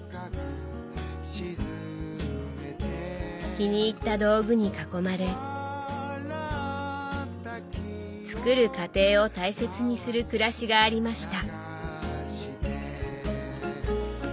気に入った道具に囲まれ作る過程を大切にする暮らしがありました。